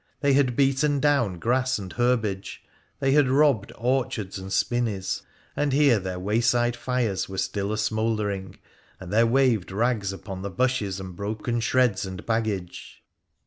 They had beaten down grass and herbage, they had robbed orchards and spinneys, and here their wayside fires were still a smoulder ing, and there waved rags upon the bushes, and broken shreds and baggage.